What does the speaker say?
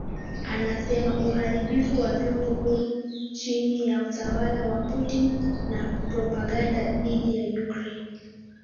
Anasema uharibifu wa vyombo huru chini ya utawala wa Putin na propaganda dhidi ya Ukraine